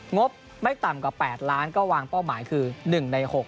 บไม่ต่ำกว่า๘ล้านก็วางเป้าหมายคือ๑ใน๖